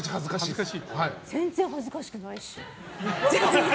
全然恥ずかしくないし！